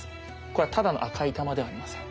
これはただの赤い玉ではありません。